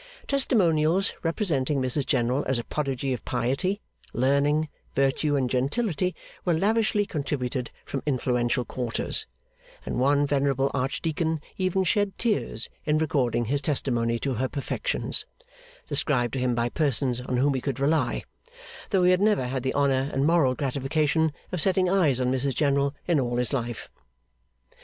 Testimonials representing Mrs General as a prodigy of piety, learning, virtue, and gentility, were lavishly contributed from influential quarters; and one venerable archdeacon even shed tears in recording his testimony to her perfections (described to him by persons on whom he could rely), though he had never had the honour and moral gratification of setting eyes on Mrs General in all his life.